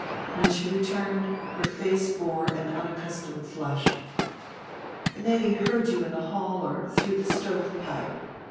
When she returned her face bore an unaccustomed flush. "Nettie heard you in the hall or through the stovepipe."